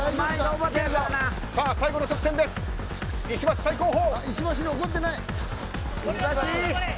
最後の直線です、石橋最後方。